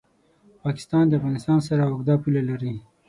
پاکستان د افغانستان سره اوږده پوله لري.